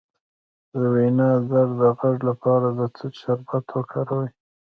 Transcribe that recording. د وینادرو د غږ لپاره د توت شربت وکاروئ